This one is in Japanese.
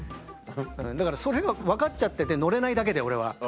だからそれが分かっちゃってて乗れないだけで俺は。